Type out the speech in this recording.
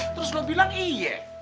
terus lu bilang iye